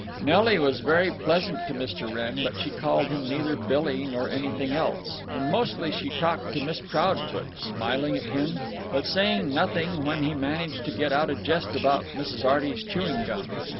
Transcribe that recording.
Nelly was very pleasant to Mr. Wrenn, but she called him neither Billy nor anything else, and mostly she talked to Miss Proudfoot, smiling at him, but saying nothing when he managed to get out a jest about Mrs. Arty's chewing gum.